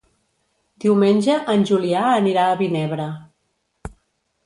Diumenge en Julià anirà a Vinebre.